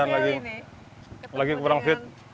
agak gerimis dan lagi kurang fit